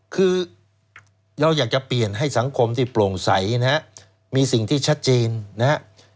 คือเราอยากจะเปลี่ยนให้สังคมที่โปร่งใสนะฮะมีสิ่งที่ชัดเจนนะครับ